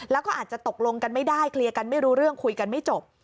แล้วก็อาจจะตกลงกันไม่ได้เคลียร์กันไม่รู้เรื่องคุยกันไม่จบ